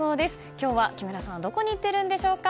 今日は木村さんはどこに行っているんでしょうか？